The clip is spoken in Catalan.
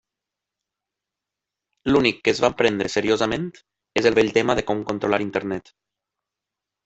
L'únic que es van prendre seriosament és el vell tema de com controlar Internet.